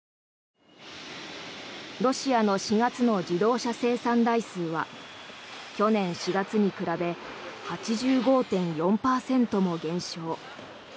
ロシアの４月の自動車生産台数は去年４月に比べ８５．４％も減少。